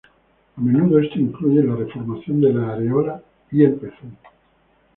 A menudo esto incluye la reformación de la areola y el pezón.